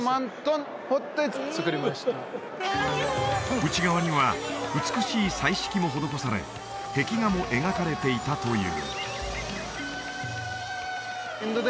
内側には美しい彩色も施され壁画も描かれていたという